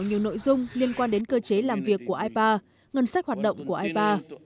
nhiều nội dung liên quan đến cơ chế làm việc của ipa ngân sách hoạt động của ipa